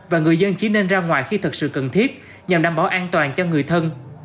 và người dân chỉ nên ra ngoài khi thật sự cần thiết nhằm đảm bảo an toàn cho người thân